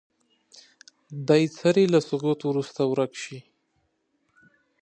دوی څرنګه له سقوط وروسته ورک شي.